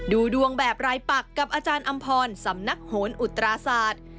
ดูดวงแบบรายปักกับอาจารย์อำพรสำนักโหนอุตราศาสตร์